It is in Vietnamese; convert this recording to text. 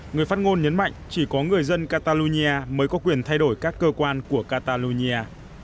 người phát ngôn nhấn mạnh chỉ có người dân catalonia mới có quyền thay đổi các cơ quan của catalonia